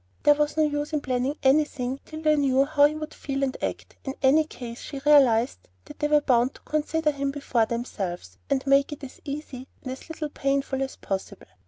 There was no use in planning anything till they knew how he would feel and act. In any case, she realized that they were bound to consider him before themselves, and make it as easy and as little painful as possible.